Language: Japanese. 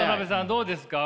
どうですか？